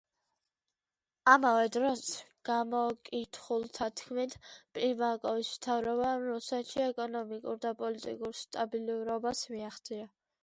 ამავე დროს, გამოკითხულთა თქმით, პრიმაკოვის მთავრობამ რუსეთში ეკონომიკურ და პოლიტიკურ სტაბილურობას მიაღწია.